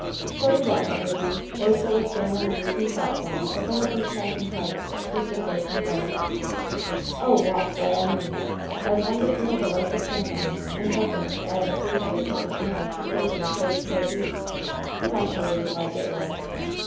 "Shall we walk, Enderby? Or shall we stand on the reeking platform of one of these passing cars?" Mr. Force inquired. "Oh, walk, by all means, as long as we have a leg to stand on, in preference to adding three hundred pounds more to the burden of those poor beasts," promptly re plied the earl.